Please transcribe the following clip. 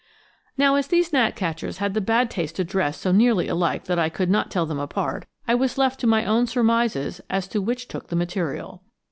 Now as these gnatcatchers had the bad taste to dress so nearly alike that I could not tell them apart, I was left to my own surmises as to which took the material.